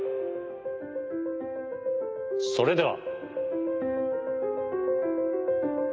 それでは。